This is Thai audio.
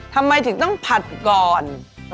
ทำไมถึงต้องผัดก่อน